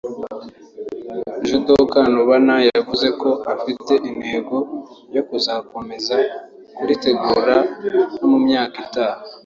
Judo Kanobana yavuze ko afite intego yo kuzakomeza kuritegura no mu myaka itaha